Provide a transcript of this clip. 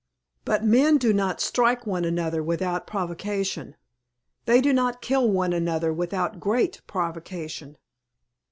But men do not strike one another without provocation. They do not kill one another without very great provocation."